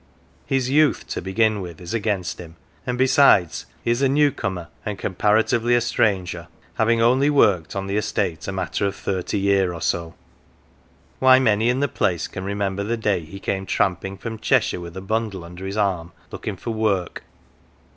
His youth, to begin with, is against him, and besides, he is a new comer and comparatively a stranger, having only worked on the estate a matter of thirty year or so. Why, many in the place can re member the day he came tramping from Cheshire with a bundle under his arm, looking for work